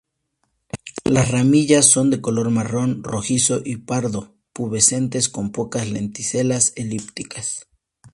Las ramillas son de color marrón rojizo y pardo, pubescentes, con pocas lenticelas elípticas.